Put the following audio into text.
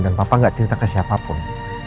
dan papa gak cerita ke siapapun